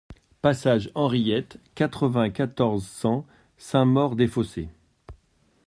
Passage Henriette, quatre-vingt-quatorze, cent Saint-Maur-des-Fossés